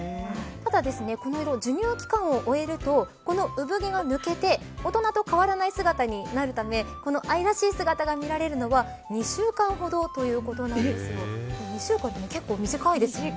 ただこの色、授乳期間を終えるとこの産毛が抜けて大人と変わらない姿になるためこの愛らしい姿が見られるのは２週間ほどということなんです。